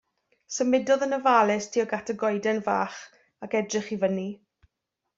Symudodd yn ofalus tuag at y goeden fach ac edrych i fyny.